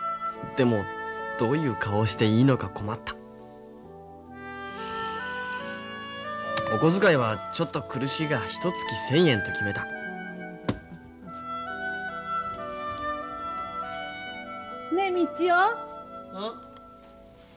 でもどういう顔をしていいのか困ったお小遣いはちょっと苦しいがひとつき１，０００円と決めたねえ道雄。